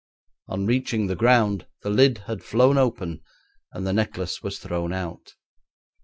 On reaching the ground the lid had flown open, and the necklace was thrown out.